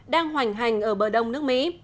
đang hoành hành ở bờ đông nước mỹ